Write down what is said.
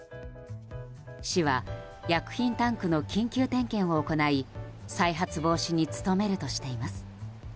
市は薬品タンクの緊急点検を行い再発防止に努めるとしています。